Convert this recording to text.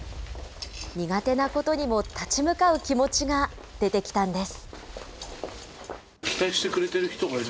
苦手なことにも立ち向かう気持ちが出てきたんです。